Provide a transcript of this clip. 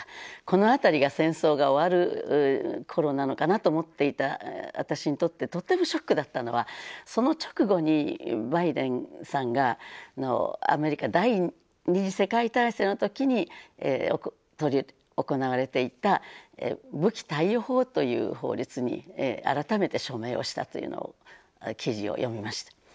この辺りが戦争が終わる頃なのかなと思っていた私にとってとてもショックだったのはその直後にバイデンさんがアメリカ第２次世界大戦の時に執り行われていた武器貸与法という法律に改めて署名をしたというのを記事を読みました。